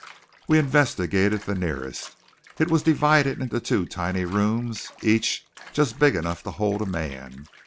We investigated the nearest. It was divided into two tiny rooms each just big enough to hold a man.